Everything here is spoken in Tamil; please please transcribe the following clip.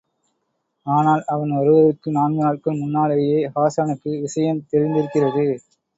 ஆனால் அவன் வருவதற்கு நான்கு நாட்கள் முன்னாலேயே ஹாசானுக்கு விஷயம் தெரிந்திருக்கிறது.